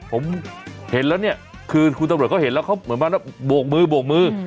ผมเห็นแล้วเนี่ยคือคุณตำรวจเขาเห็นแล้วเขาเหมือนมาโบกมือโบกมือ